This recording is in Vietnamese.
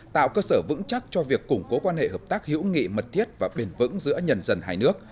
tạo cơ sở vững chắc cho việc củng cố quan hệ hợp tác hữu nghị mật thiết và bền vững giữa nhân dân hai nước